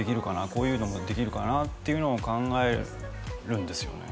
こういうのもできるかな？っていうのを考えるんですよね